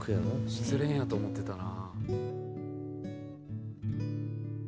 「失恋やと思ってたな」